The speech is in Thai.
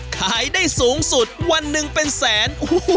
ขายได้สูงสุดวันหนึ่งเป็นแสน